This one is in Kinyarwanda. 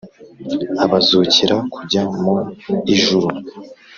Abazukira kujya mu ijuru